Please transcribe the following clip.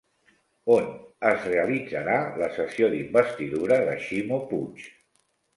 On es realitzarà la sessió d'investidura de Ximo Puig?